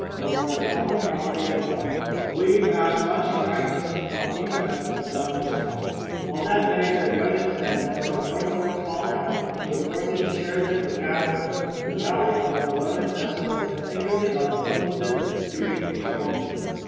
They were the common property of both. We've as much right to sing Juanita as the Johnnies have." All that day they rode and sang, going north toward Halltown, where the forces of Sheridan were gathering, and the valley, although lone and desolate, continually unfolded its beauty before them.